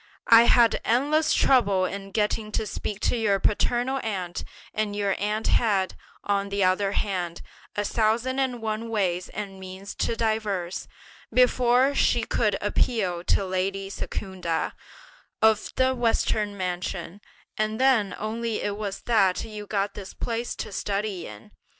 I had endless trouble in getting to speak to your paternal aunt; and your aunt had, on the other hand, a thousand and one ways and means to devise, before she could appeal to lady Secunda, of the Western mansion; and then only it was that you got this place to study in.